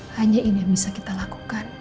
hanya ini yang bisa kita lakukan